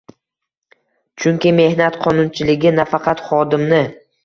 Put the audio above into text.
Chunki mehnat qonunchiligi nafaqat xodimni